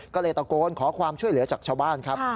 ก็เลยตะโกนขอความช่วยเหลือจากชาวบ้านครับ